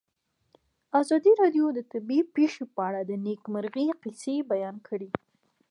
ازادي راډیو د طبیعي پېښې په اړه د نېکمرغۍ کیسې بیان کړې.